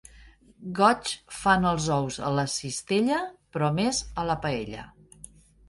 Goig fan els ous a la cistella, però més a la paella.